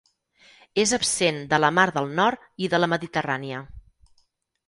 És absent de la Mar del Nord i de la Mediterrània.